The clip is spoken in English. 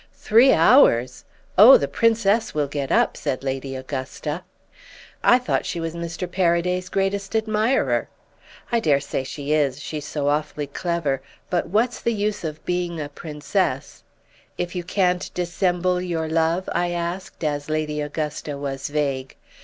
"'Three hours! Oh the Princess will get up!' said Lady Augusta. "'I thought she was Mr. Paraday's greatest admirer.' "'I dare say she is—she's so awfully clever. But what's the use of being a Princess—' "'If you can't dissemble your love?' I asked as Lady Augusta was vague.